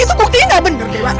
itu bukti gak bener dewa